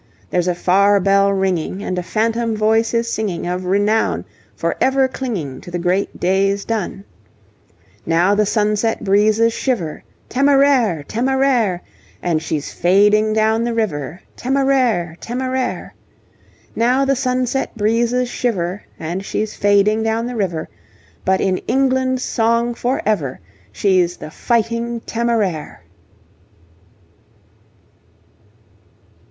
There's a far bell ringing, And a phantom voice is singing Of renown for ever clinging To the great days done. Now the sunset breezes shiver, Temeraire! Temeraire! And she's fading down the river, Temeraire! Temeraire! Now the sunset breezes shiver, And she's fading down the river, But in England's song for ever She's the 'Fighting Temeraire.'